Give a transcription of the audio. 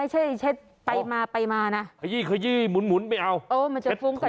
ไม่ใช่เช็ดไปมาไปมานะขยี่ขยี่หมุนหมุนไปเอาเออมันจะพุงกระดาษ